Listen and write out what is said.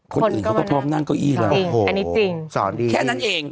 คนก็มาแล้วอ่ะคนนี้จริงอันนี้จริงสอนดีแค่นั้นเอง